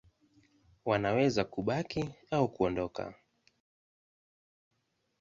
Wanaweza kubaki au kuondoka.